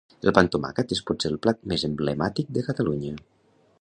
El pa amb tomàquet és potser el plat més emblemàtic de Catalunya.